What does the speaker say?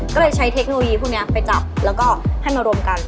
ก็เลยใช้เทคโนโลยีพวกนี้ไปจับแล้วก็ให้มารวมกัน